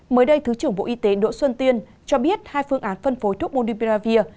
mới đây thứ trưởng bộ y tế đỗ xuân tuyên cho biết hai phương án phân phối thuốc monopiravir